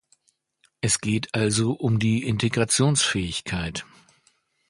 Es geht also um die Integrationsfähigkeit.